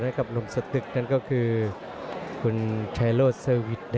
สวัสดิ์นุ่มสตึกชัยโลธสวัสดิ์